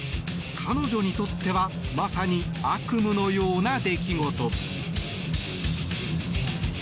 彼女にとってはまさに悪夢のような出来事。